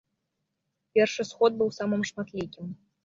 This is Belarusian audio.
Першы сход быў самым шматлікім.